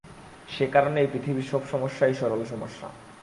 সে- কারণেই পৃথিবীর সব সমস্যাই সরল সমস্যা।